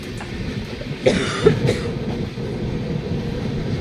Studovala na mezinárodní škole pro divadlo a kinematografii v Římě.